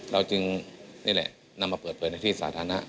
เราจึงนี่แหละนำมาเปิดเผยในที่สาธารณะ